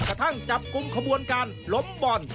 กระทั่งจับงงระบวนการล้มบอล